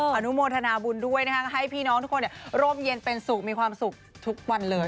อนุโมทนาบุญด้วยนะคะให้พี่น้องทุกคนร่มเย็นเป็นสุขมีความสุขทุกวันเลย